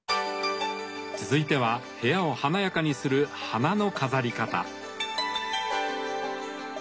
続いては部屋を華やかにする花の飾り方。